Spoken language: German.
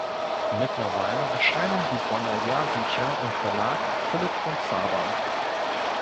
Mittlerweile erscheinen die Bonner Jahrbücher im Verlag Philipp von Zabern.